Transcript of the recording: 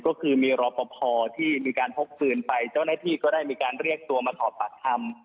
ก็คือมีรอปภที่มีการพกปืนไปเจ้าหน้าที่ก็ได้มีการเรียกตัวมาสอบปากคำ